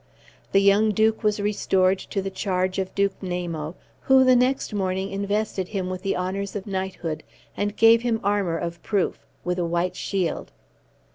The young Duke was restored to the charge of Duke Namo, who the next morning invested him with the honors of knighthood, and gave him armor of proof, with a white shield.